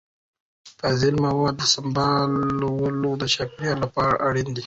د فاضله موادو سمبالول د چاپیریال لپاره اړین دي.